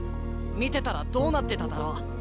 見てたらどうなってただろう？」。